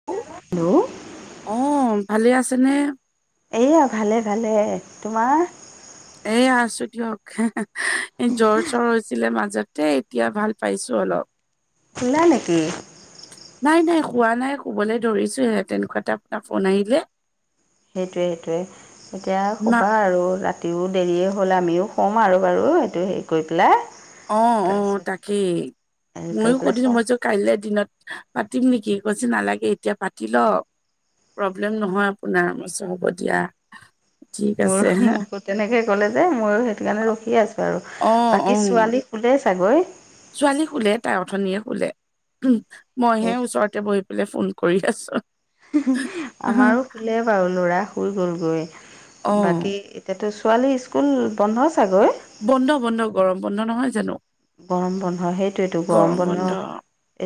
Hello অঁ, ভালে আছে নে। এইয়া ভালে, ভালে তোমাৰ এ, আছো দিয়ক এ, জ্বৰ, চৰ হৈছিলে মাজত তে, এতিয়া ভাল পাইছো অলপ। খোলা নেকি? নাই, নাই শুৱা নাই শুবলৈ ধৰিছোঁ তেনেকুৱাটা আপোনাক ফোন আহিলে। সেইটোৱে, সেইটোৱে এতিয়া মা শুবা আৰু ৰাতি। ৰাতিও দেৰিয়ে হ'ল আমিও শুম আৰু বাৰু সেইটো হেৰি কৰি পেলাই। অঁ, অ তাৰপিছত তাকেই হেৰি কৰি ময়ো পেলাই কৈছো চোৱা মই যে। কাইলৈ দিনত পাতিম নেকি, কৈছে নালাগে এতিয়া পাতি ল। প্ৰব্লেম নহয় আপোনাৰ, মই কৈছোঁ হ'ব দিয়া। ঠিক মোৰ আছে মোকো তেনেকে ক'লে যে ময়ো সেইটো কাৰণে ৰখি আছো আৰু অ অ বাকী ছোৱালী। শুলে চাগৈ। ছোৱালী শুলে, তাই অথনিয়ে শুলে সেই মইহে ওচৰতে বহি। মোলে ফোন কৰি আছ। আমাৰো শুলে বাৰু ল'ৰা শুই গ'লগৈ অ বাকী। এতিয়াটো ছোৱালী স্কুল বন্ধ চাগৈ। বন্ধ, বন্ধ গৰম বন্ধ নহয় জানো। গৰম বন্ধ সেইটোৱেতো, গৰম বন্ধ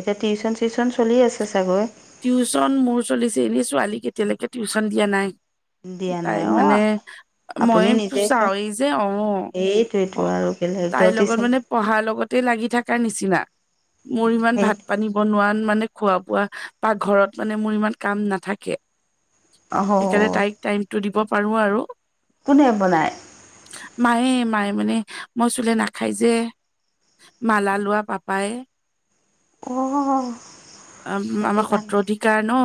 এতিয়া টিউচন চিউচন চলি আছে চাগৈ। টিউচন মোৰ চলিছে এনেই ছোৱালীক এতিয়ালৈকে টিউচন দিয়া নাই। দিয়া নাই তাইক অ মানে আপুনি মই নিজে চব চাওঁৱেই যে অ অ। এ ল হে তাইৰ লগত ততিছেল। মানে পঢ়াৰ লগতে লাগি থকাৰ নিচিনা মোৰ ইমান সেই ভাত পানী বনোৱাত মানে। খোৱা বোৱা বা ঘৰত মানে মোৰ ইমান কাম নাথাকে অহ সেইকাৰণে তাইক। টাইম টো দিব পাৰো আৰু। কোনে বনায়। মায়ে মায়ে মানে মই চুলে নাখাই যে। মালা লোৱা পাপাই। অ অহ। আমাৰ সত্ৰ অধিকাৰ ন।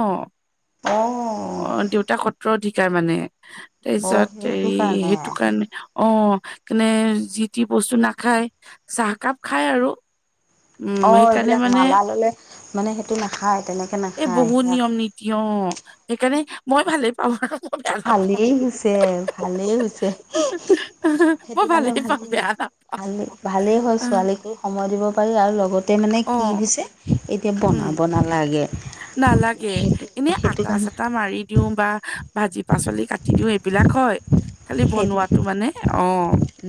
অ অ দেউতাক সত্ৰ অধিকাৰ মানে অ তাৰপিছত এ সেইটো কাৰণে সেইটো কাৰণে। অ সেই কাৰণে যিটি বস্তু নাখায় চাহকাপ খায় আৰু। অ উম সেইকাৰণে এইবিলাক মানে মালা ল'লে মানে সেইটো নাখায় তেনেকে। এই নাখায় বহুত সেয়া নিয়ম নীতি অ সেইকাৰণে মই ভালেই পাওঁ হ হ হ। ভালেই হৈছে ভালেই হৈছে হ হ সেইটো মই কাৰণে পাওঁ ভালেই। বেয়া ভাল ভালেই হ'ল নাপাওঁ ছোৱালীকো সময় দিব পাৰি আৰু লগত। -তে মানে অ কি হৈছে এতিয়া উম বনাব নালাগে। নালাগে সেইটো এনেই সেইটো আটা কাৰণে চাটা মাৰি। দিওঁ বা ভাজি পাচলি কাটি দিওঁ এইবিলাক হয়। খালি সেইটো বনোৱাতো মানে অ।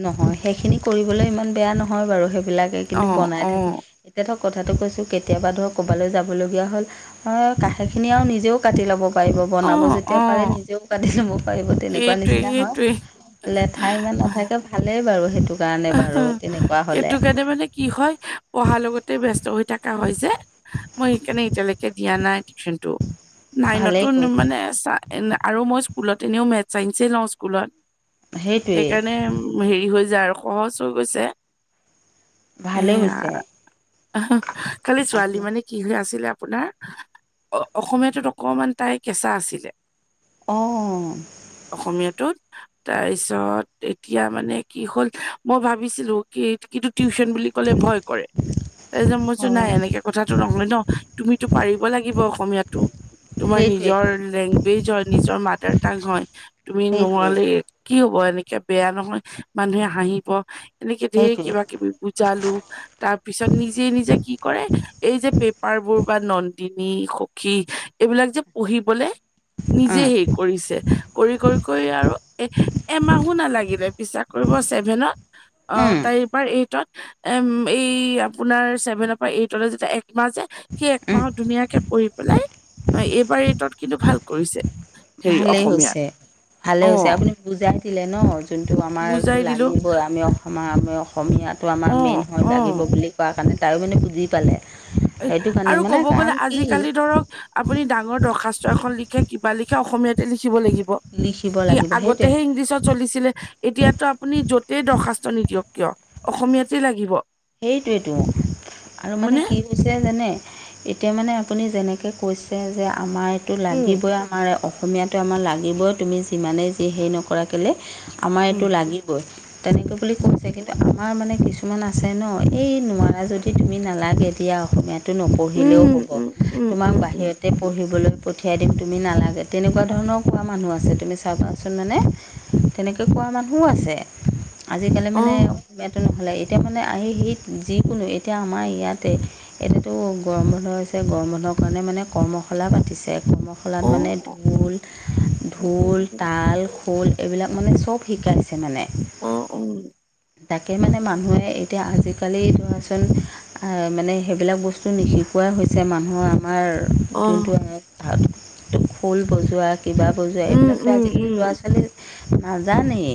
নহয় সেইখিনি কৰিবলৈ ইমান বেয়া নহয় বাৰু সেইবিলাকে অ কিন্তু অ বনাই থাকি। এতিয়া ধৰক কথাটো কৈছোঁ কেতিয়াবা ধৰক ক'ৰবালৈ যাবলগীয়া হ'ল। অ কাষে খিনি আৰু নিজেও কাটি ল'ব। পাৰিব অ বনাব অ যেতিয়া পাৰে নিজেও কাটি ল'ব পাৰিব তেনেকুৱা সেইটোৱে নিচিনা সেইটোৱে হয়। লেঠা ইমান নাথাকে ভালেই বাৰু সেইটো। কাৰণে আ বাৰু হি তেনেকুৱা হ'লে সেইটো কাৰণে মানে কি হয়। পঢ়াৰ লগতে ব্যস্ত হৈ থকা হয় যে মই সেইকাৰণে এতিয়ালৈকে দিয়া নাই টিউচনটো। নাইনতো ভালেই কৈছে মানে চা আৰু মই স্কুলত এনেও মেথছ চাইন্সেই লওঁ স্কুলত। সেইটোৱেই সেইকাৰণে হেৰি হৈ যায় আৰু সহজ হৈ গৈছে। ভালেই এইয়া হৈছে খালি ছোৱালী আপোনাৰ মানে- কি হৈ আছিলে আপোনাৰ? অ অসমীয়াটোত অকমান তাই কেঁচা আছিলে। অঁ অসমীয়াটোত। তাৰপিছত এতিয়া মানে কি হ'ল? মই ভাবিছিলো- কি কিন্তু টিউচন বুলি ক'লে ভয় কৰে। তাৰপিছত মই কৈছো অঁ নাই এনেকে কথাটো নহয় ন তুমিতো পাৰিব লাগিব অসমীয়াটো। তোমাৰ নিজৰ সেইটোৱেইতো লেংগুৱেজ হয় নিজৰ মাডাৰ টাং হয় তুমি সেইটোৱেই নোৱালে- কি হব? এনেকে বেয়া নহয়, মানুহে হাঁহিব এনেকে ধেৰ সেইটোৱেই কিবা কিবি- বুজালো, তাৰ পিছত নিজে নিজে কি কৰে- এই যে পেপাৰ বোৰ বা নন্দিনী সখী এইবিলাক যে পঢ়িবলে- নিজে উম, হেৰি কৰিছে। কৰি কৰি কৰি আৰু এ এমাহো নালাগিলে বিশ্বাস কৰিব ছেভেনত- অঁ উম, তাই এইবাৰ এইটত। এম এই আপোনাৰ ছেভেনৰ পৰা এইটলে যেতিয়া একমাহ যায়, সেই উম। একমাহত ধুনীয়াকে- পঢ়ি পেলাই, এইবাৰ এইটত কিন্তু ভাল কৰিছে। হেৰি ভালেই অসমীয়াত হৈছে, ভালেই হৈছে অ', আপুনি- বুজাই দিলে ন, যোনটো আমাৰ এইটো বুজাই দিলো লাগিবই আমি অসমৰ আমি- অসমীয়াটো আমাৰ মেইন অ', হয় লাগিব অ', বুলি কোৱা কাৰণে তায়ো মানে বুজি পালে। সেইটো কাৰণে আৰু মানে ক'ব গ'লে কাৰণ কি আজিকালি ধৰক- আপুনি ডাঙৰ দৰ্খাস্ত এখন লিখে কিবা লিখে অসমীয়াতে লিখিব লাগিব। লিখিব ই লাগিব সেইটোৱে আগতেহে ইংলিছত চলিছিলে, - এতিয়াতো আপুনি যতেই দৰ্খাস্ত নিদিয়ক কিয় অসমীয়াতে লাগিব। সেইটোৱেতো আৰু মানে হয়নে? কি হৈছে যেনে এতিয়া মানে আপুনি যেনেকে কৈছ- তে যে আমাৰ এইটো উম, লাগিবই আমাৰ অস- অসমীয়াটো আমাৰ লাগিবই, তুমি যিমানেই যি হেৰি নকৰা কেলে আমাৰ উম, এইটো লাগি- বৈ, তেনেকে বুলি উম, কৈছে কিন্তু, আমাৰ মানে কিছুমান আ- ছে ন, এই নোৱাৰা যদি তুমি নালাগে দিয়া অসমীয়াত- টো নপঢ়িলেও উম, হ'ব, উম, উম, তোমাক উম, উম, বাহিৰতে পঢ়িবলৈ- ঠিয়াই দিম তুমি নালাগে, তেনেকুৱা ধৰণৰ কোৱা মানুহ আছে। তুমি চাবাচোন মানে- তেনেকৈ কোৱা মানুহো আছে। আজিকালি মানে অ'। বেটো নহ'লে- এতিয়া মানে আহি সেই যিকোনো এতিয়া আমাৰ ইয়াতে- এতিয়াতো গৰম বন্ধ হৈছে গৰম বন্ধৰ কাৰণে মানে কৰ্মশালা পাতিছে। কৰ্ম- শোলাত মানে, অ', ঢোল, অ', ঢোল, তাল, খোল- এইবিলাক মানে চব শিকাইছে মানে। অঁ' উম' তাকে মানে মানুহে এতিয়া আজিকালি ধৰাচোন, - আ মানে সেইবিলাক বস্তু নিশিকোৱাই হৈছে, মানুহ আমাৰ- যোনটো অ', আমাৰ তাত খোল বজোৱাত- কিবা বযোৱা উম, এইবিলাকতো উম, আজিকালি উম, ল'ৰা ছোৱালী নাজানেই।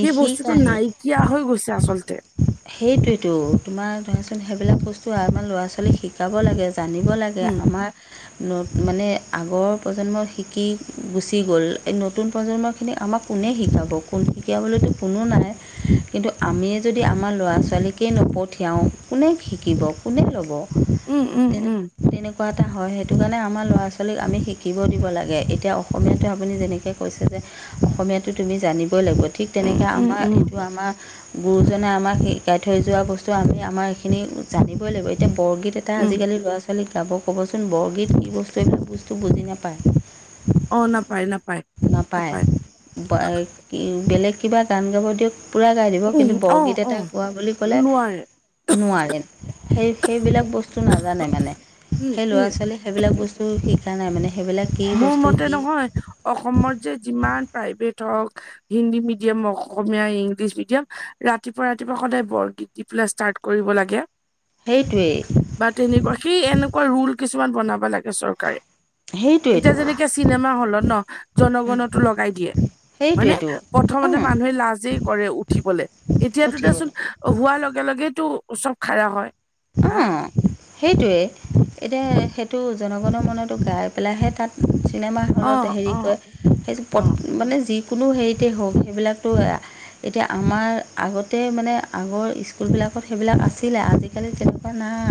সেই বস্তুতোটো নিশিকাহে নাইকিয়া হৈ গৈছে আচলতে। সেইটোৱতো, তোমাৰ ধৰাচোন সেইবিলাক বস্তু আমাৰ ল'ৰা ছোৱালীক শিকাব লাগে। জানিব লাগে উম, আমাৰ- ন মানে আগৰ প্ৰজন্ম শিকি গুচি গ'ল, এই নতুন প্ৰজন্মখিনি আমাক- কোনে শিকাব? কোন শিকাবলৈতো কোনো নাই। কিন্তু, আমিয়ে যদি- যদি আমাৰ ল'ৰা ছোৱালীকেই নপঠিয়াওঁ, কোনে শিকিব, কোনে ল'ব? উম, উম, তেনে উম, তেনেকুৱা এটা হয় সেইটো কাৰণে আমাৰ ল'ৰা ছোৱালীক আমি শিকিবও দিব লাগে এতিয়া অসমীয়াটো আপুনি যেনেকে কৈছে যে অসমীয়াটো তুমি জানিবই লাগিব থিক উম, তেনেকে উম, আমাৰ উম, এইটো আমাৰ [unintelligible] মানে আমাক শিকাই থৈ যোৱা বস্তু আমি আমাৰ এইখিনি জানিবই লাগিব এতিয়া বৰগীত এটা উম, আজিকালি ল'ৰা ছোৱালী ল' ছালী গাব ক'বচোন বৰগীত কি বস্তু এইবিলাক বস্তু বুজি নাপায়। অ নাপায় নাপায় নাপায়। বেলেগ কিবা গান গাব দিয়ক পূৰা গাই দিব উম, কিন্তু বৰগীত অ', এটা অ', কোৱা বুলি ক'লে নোৱাৰে, নোৱাৰে সেই সেইবিলাক বস্তু নাজানে মানে। উম, সেই ল'ৰা উম, ছোৱালীয়ে সেইবিলাক উম, বস্তু শিকা নাই মানে সেইবিলাক কি মোৰ বস্তু মতে কি নহয় অসমত যে যিমান প্ৰাইভেট হওক Hindi medium Asomiya English medium ৰাতিপুৱা ৰাতিপুৱা সদায় বৰগীত দি পেলাই ষ্টাৰ্ট কৰিব লাগে। সেইটোৱেই। বা তেনেকুৱা সেই এনেকুৱা ৰুল কিছুমান বনাব লাগে চৰকাৰে। সেইটোৱেইতো এতিয়া যেনেকে চিনেমা হলত ন জনগনতো লগাই দিয়ে হয়নে সেইটোৱেইতো প্ৰথমতে অঁ মানুহে লাজেই কৰে উঠিবলে এতিয়াতো উঠিবলৈ দেচোন হোৱাৰ লগে লগেতো চব খাৰা হয়। অ হা সেইটোৱেই এতিয়া সেইটো জনগণৰ মনতো গাই পেলাইহে তাত চিনেমা অ হলত হেৰি অ কৰে অ সেই মানে যিকোনো হেৰিতে হওক সেইবিলাকতো এতিয়া আমাৰ আগতে মানে আগৰ স্কুলবিলাকত সেইবিলাক আছিলে আজি আজিকালি তেনেকুৱা নাই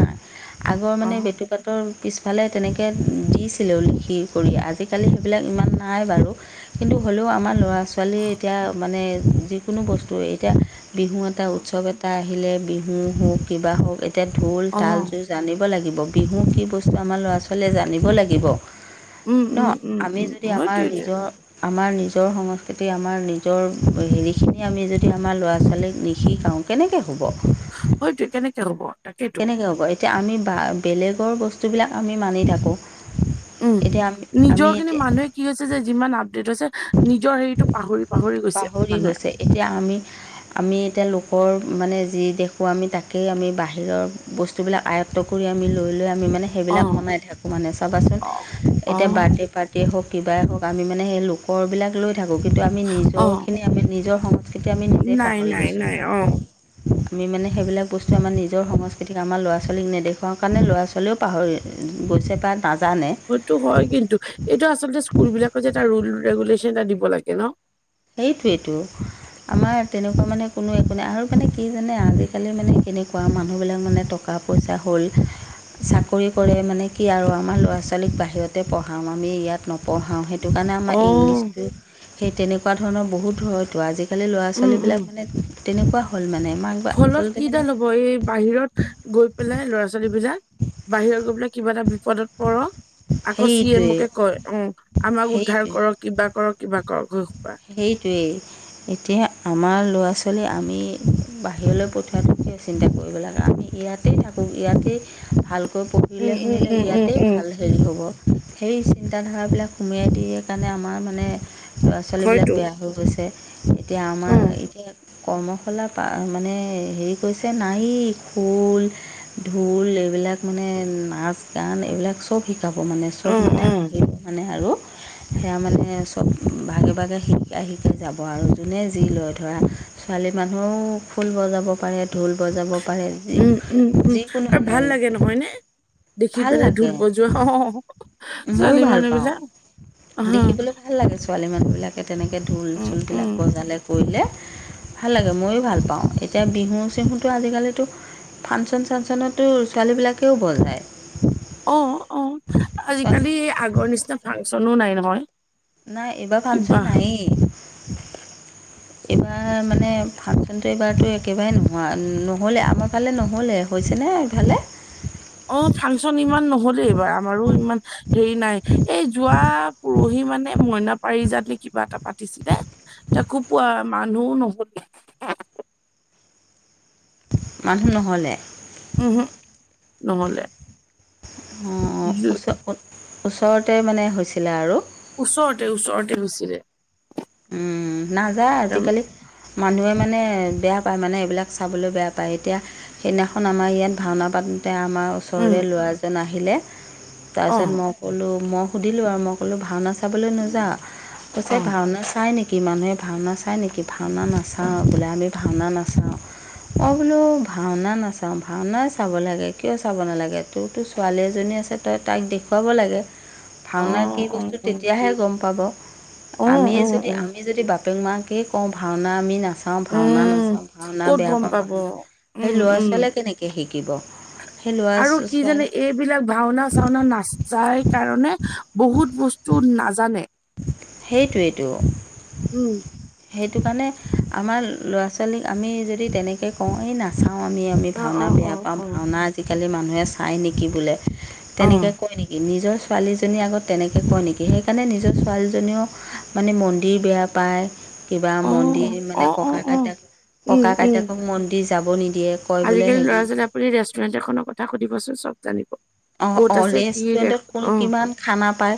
আগৰ অ মানে বটত [unintelligible] কটৰ পিছফালে তেনেকৈ দিছিলেঁ লিখি কৰি আজিকালি সেইবিলাক ইমান নাই বাৰু। কিন্তু হ'লেও আমাৰ ল'ৰা ছোৱালীয়ে এতিয়া মানে যিকোনো বস্তুৱ এতিয়া বিহু এটা উৎসৱ এটা আহিলে বিহু হওক কিবা হওক এতিয়া ঢোল অ তাল জুই জানিব লাগিব বিহু কি বস্তু আমাৰ ল'ৰা ছোৱালীয়ে জানিব লাগিব। উম ন উম উম আমি উম যদি আমাৰ সেইটোৱেইটো নিজৰ আমাৰ নিজৰ সংস্কৃতি আমাৰ নিজৰ হেৰিখিনি আমি যদি আমাৰ ল'ৰা ছোৱালীক নিশিকাওঁ কেনেকে হ'ব! হয়তো কেনেকে হ'ব। তাকেইতো কেনেকে হ'ব এতিয়া আমি বা বেলেগৰ বস্তুবিলাক আমি মানি থাকোঁ উম এতিয়া আমি নিজৰ আমি খিনি এতিয়া মানুহে কি হৈছে যে যিমান আপডেট হৈছে নিজৰ হেৰিতটো পাহৰি পাহৰি গৈছে পাহৰি মানুহে গৈছে এতিয়া আমি আমি এতিয়া লোকৰ মানে যি দেখোঁ আমি তাকেই আমি বাহিৰৰ বস্তু যিবিলাক আয়ত্ব কৰি আমি লৈ লৈ আমি মানে অ সেইবিলাক মনাই থাকোঁ মানে চাবাচোন অ অ এতিয়া বাৰ্থডে পাৰ্টি এ হওক কিবাই হওক আমি মানে সেই লোকৰবিলাক লৈ থাকোঁ কিন্তু আমি নিজ অ এই আমি নিজৰ সংস্কৃতি আমি নিজে নাই পাহৰি নাই গৈছোঁ। নাই অ আমি মানে সেইবাক বস্তু আমাৰ নিজৰ সংস্কৃতিক আমাৰ ল'ৰা ছোৱালী নেদেখুৱাও কাৰণে ল'ৰা ছোৱালী হ'লেও পাহৰি গৈছে তা নাজানে। হয়টো হয় কিন্তু এইটো আচলতে স্কুল বিলাকত যে এটা ৰুল ৰেগুলেশচন এটা দিব লাগে ন। সেইটোৱেইটো। আমাৰ তেনেকুৱা মানে কোনো একো নাই আৰু মানে কি জানে আজিকালি মানে কেনেকুৱা মানুহ বিলাক মানে টক টকা পইচা হ'ল চাকৰি কৰে মানে কি আৰু আমাৰ ল'ৰা ছোৱালীক বাহিৰতে পঢ়াওঁ আমি ইয়াত নপ- পঢ়াওঁ সেইটো কাৰণে আমাৰ অ', ইংলিছটো সেই তেনেকুৱা ধৰণৰ বহুত হয়তো আজিকালি ল'ৰা। উম, উম। চোৱালিবিলাক মানে তেনেকুৱা হ'ল মানে এমাক- ফলত কিডাল হ'ব এই- বাহিৰত গৈ পেলাই ল'ৰা ছোৱালী বাহিৰত গৈ পেলাই কিবা এটা বিপদত পৰক। আকৌ চি সেইটোৱে এমকে কয় অঁ আমাক উদ্ধাৰ সেইটোৱে কৰক কিবা কৰক কিবা কৰক সোপা। সেইটোৱেই। এতিয়া আমাৰ ল'ৰা ছোৱালী আমি বাহিৰলৈ পঠিৱাটো কিয় চিন্তা কৰিব লাগে আমি ইয়াত- ইতেই থাকো ইয়াতে ভালকৈ উম, পঢ়িলে উম, শুনিলে উম, উম, ইয়াতেই উম, ভাল। হেৰি হ'ব সেই চিন্তাধাৰাবিলাক সোমোৱাই দিয়ে কাৰণে আমাৰ মানে- চলিবিলাক হয়তো। বেয়া হৈ গৈছে এতিয়া আমাৰ উম, এতিয়া- কৰ্মশালা পাম্প মানে হেৰি কৈছে নাই খোল- ঢোল এইবিলাক মানে নাচ গান এইবিলাক। চব শিকাব মানে চব অ', মানে অ'। আহি মানে আৰু সেয়া মানে চব ভাগে- কবাকৈ শিকাই শিকাই যাব আৰু যোনে যি লয় ধৰা ছোৱালী মানুহো- ফুল বজাব পাৰে ঢোল বজাব- পাৰে যি উমঁ উমঁ উমঁ যিকোনো আৰু মানে ভাল লাগে নহয় নে দেখি ভাল পেলাই ঢোল লাগে বজোৱা হহহ ময়ো ছোৱালী ভাল মানুহ পাওঁ বিলাক অহ! দেখিবলৈ ভাল লাগে ছোৱালী মানুহবিলাকে তেনেকৈ ঢোল উম, উম। চোলবিলাক বজালে কৰিলে। ভাল লাগে ময়ো ভাল পাওঁ এতিয়া বিহু চিহুটো আজিকালিতো- ফাংচন চাংচনতো ছোৱালীবিলাকেও বজাই। অঁ অঁ ছোৱালী আজিকালি আগৰ নিচিনা ফাংচনো নাই নহয়। নাই এইবাৰ কিবা ফাংচন নাই এই। এইবাৰ মানে ফাংচনটো এইবাৰতো একেবাৰে নোহোৱা নহ'লে আমাৰ ফালে নহ'লেই। হৈছেনে ইফালে। অঁ ফাংচন ইমান নহলেইবাৰ আমাৰো ইমান হেৰি নাই। এই যোৱা পৰহি মানে মইনা পাৰি জাতি কিবা এটা পাতিছিলে? তাকো পোৱা মানুহও নহ'লে। মানুহ নহ'লে- উমঁহো নহ'লে। অঁ, অঁ যো- ওচ, ওচৰতে মানে হৈছিলে আৰু। ওচৰতে ওচৰতে হৈছিলে। উমঁ উমঁ নাযায় উম, আজিকালি- মানুহে মানে বেয়া পায় মানে এইবিলাক চাবলৈ বেয়া পায় এতিয়া- সেইদিনাখন আমাৰ ইয়াত ভাওনা পাতোতে আমাৰ উম, ওচৰৰে ল'ৰাজন আহিলে। তাৰপিছত অ', মই ক'লোঁ মই সুধিলোঁ আৰু মই ক'লোঁ ভাওনা চাবলৈ নাজাও, কৈছে অ', ভাওনা- চাই নেকি, মানুহে ভাওনা চায় নেকি ভাওনা নাচাওঁ বোলে আমি ভাওনা নাচাওঁ। মই বোলো ভাওনা নাচাওঁ ভাওনাই চাব লাগে কিয় চাব নালাগে তো- তোৰ ছোৱালী এজনী আছে তই তাক দেখুৱাব লাগে। অ', ভাওনা কি বস্তু অ', অ', তেতিয়াহে গম পাব অ', আমি- অ', যদি অ', আমি যদি বাপেক মাকে কওঁ ভাওনা আমি নাচা- ভাওনা উম, নাচাওঁ ভাওনা ক'ত বেয়া গম পাওঁ পাব, সেই উম, ল'ৰা উম। ছোৱালীয়ে কেনেকৈ শিকিব। সেই লৰা, ছো ছোৱালী- এই বিলাক ভাওনা চাওনা নাচাই কাৰণে বহুত বস্তু নাজানে- সেইটোৱটো। উম। সেইটো কাৰণে আমাৰ ল'ৰা ছোৱালীক আমি যদি তেনেকে কওঁ, এই নাচাওঁ আমি আমি অ', ভাওনা অ', বেয়া অ', পাওঁ অ'। ভাওনা আজিকালি মানুহে চায় নেকি বোলে তেনেকে অ', কয় নেকি, নিজৰ ছোৱালীজনী আগত তেনেকে কয় নেকি সেইকাৰণে নি নিজৰ ছোৱালীজনীয়েও মানে মন্দিৰ বেয়া পায়। কিবা অ', মন্দিৰ মানে অ', অ', ককা অ'। কইতাক, উম, ককা উম। কাইতাকক মন্দিৰ যাব নিদিয়ে। কয় বোলে আজিকালি ল'ৰা হেৰি ছালী আপুনি ৰেষ্টুৰেণ্ট এখনৰ কথা সুধিবচোন চব জানিব। অঁ, ক'ত অ, আছে কি ৰেষ্টুৰেণ্টত কোন অ', কিমান খানা পায়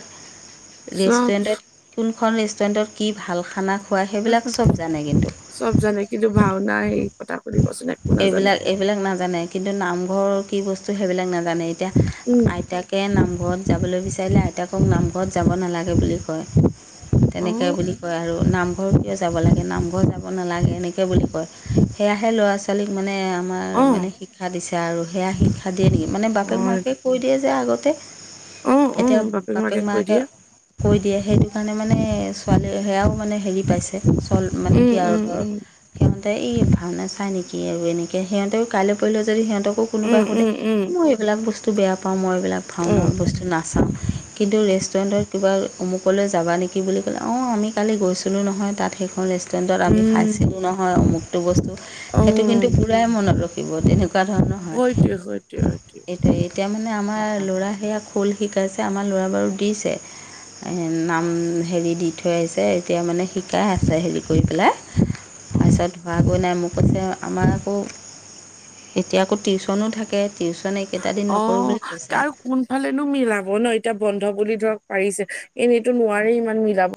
চব ৰেষ্টুৰেণ্টত কোনখন, ৰেষ্টুৰেণ্টত কি ভাল খানা খোৱা সেইবিলাক চব জানে কিন্তু। চব জানে, কিন্তু ভাওনা সেই কথা সুধিবচোন একো নাজানে। এইবিলাক এইবিলাক নাজানে কিন্তু নামঘৰৰ কি বস্তু সেইবিলাক নাজানে এতিয়া উম, আইতাক আইতাকে, নামঘৰত যাবলে বিচাৰিলে আইতাকক নামঘৰত যাব নালাগে বুলি কয়। তেনেকে অ'। বুলি কয় আৰু নাম ঘৰ কিয় যাব লাগে নামঘৰ যাব নালাগে এনেকে বুলি কয়, সেয়াহে ল'ৰা ছোৱালীক মানে আমাৰ মানে অ', শিক্ষা দিছে আৰু সেয়া শিক্ষা দিয়ে নিকি মানে বাপেক অ', মাকে কৈ দিয়ে যে আগতে অ', এতিয়া অ', বাপেক কৈ মাকে দিয়ে কৈ দিয়ে সেইটো কাৰণে মানে ছোৱালী সেয়াও মানে হেৰি পাইছে। চল, মানে উম, কি আৰু উম, ধৰ উম। সিহঁতে এই ভাওনা চাই নি কি আৰু এনেকে সিহঁতেও কাইলৈ পৰহিলে যদি সিহঁতকো কোনোবাই উম, সোধে উম, উম, মই এইবিলাক বস্তু বেয়া পাওঁ মই এইবিলাক ভাওনা উম, বস্তু নাচাওঁ। কিন্তু ৰেষ্টুৰেণ্টত কিবা অমুকলৈ যাবা নেকি বুলি ক'লে, অঁ, আমি কালি গৈছিলোঁ নহয় তাত সেইখন ৰেষ্ট ৰেন্টত, আমি উম, খাইছিলোঁ নহয় অমুকটো বস্তু সেইটো অ'। কিন্তু পুৰা মনত ৰখিব। ৰখিব, তেনেকুৱা ধৰণৰ হয়, সেইটোৱে, সেইটোৱে, সেইটোৱে। এইটোৱে এতিয়া মানে আ, আমাৰ আ, ল'ৰা সেয়া ফুল শিকাইছে আমাৰ ল'ৰা বাৰু দিছে। নাম হেৰি দি থৈ আহিছে, এতিয়া মানে শিকাই আছে হেৰি কৰি পেলাই তাৰ অ', পিছত হোৱাগৈ নাই মোক মোক কৈছে, আমাৰ আকৌ এতিয়া আকৌ টিউশচনো থাকে। টিউশচন এইকেইটা দিন অ নকৰোঁ বুলি কৈছে। আৰু কোনফালেনো মিলাব ন, এতিয়া বন্ধ বুলি ধৰক পাৰিছে এনেইটো নোৱাৰে ইমান মিলাব।